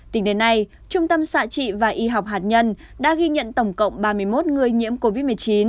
tính đến nay trung tâm xạ trị và y học hạt nhân đã ghi nhận tổng cộng ba mươi một người nhiễm covid một mươi chín